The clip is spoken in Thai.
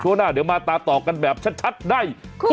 ชั่วหน้าเดี๋ยวมาต่อแบบชัดได้